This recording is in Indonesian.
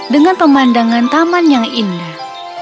dengan pemandangan taman yang indah